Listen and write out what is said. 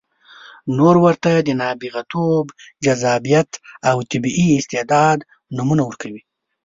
نور ورته د نابغتوب، جذابیت او طبیعي استعداد نومونه ورکوي.